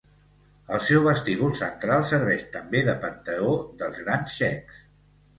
El seu vestíbul central serveix també de panteó dels grans txecs.